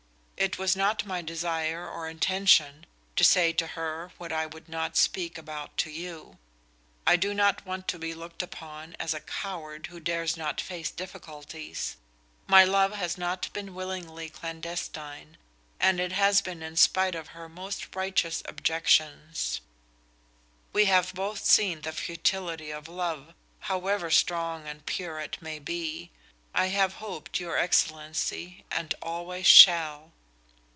It was not my desire or intention to say to her what I could not speak about to you. I do not want to be looked upon as a coward who dares not face difficulties. My love has not been willingly clandestine, and it has been in spite of her most righteous objections. We have both seen the futility of love, however strong and pure it may be. I have hoped, your excellency, and always shall."